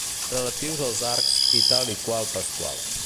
Relatius als arcs i tal i qual Pasqual.